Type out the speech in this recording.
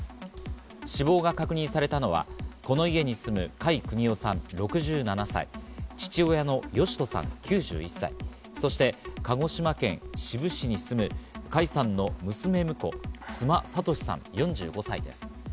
死亡が確認されたのはこの家に住む甲斐邦雄さん６７歳、父親の義人さん９１歳、そして鹿児島県志布市に住む甲斐さんの娘婿・須磨俊さん４５歳です。